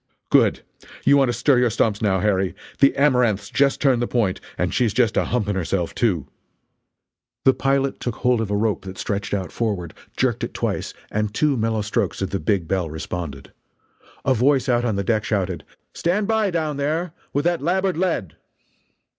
"Good! You want to stir your stumps, now, Harry the Amaranth's just turned the point and she's just a humping herself, too!" The pilot took hold of a rope that stretched out forward, jerked it twice, and two mellow strokes of the big bell responded. A voice out on the deck shouted: "Stand by, down there, with that labboard lead!"